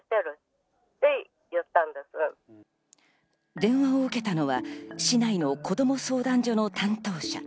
電話を受けたのは市内の子供相談所の担当者。